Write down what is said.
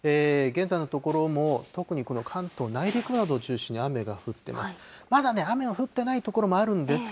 現在のところも、特に関東内陸などを中心に雨が降っています。